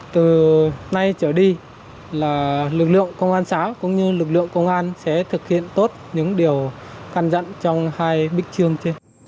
từ nay trở đi là lực lượng công an xã cũng như lực lượng công an sẽ thực hiện tốt những điều căn dặn trong hai bích trương trên